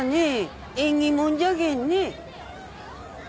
縁起物じゃけんね。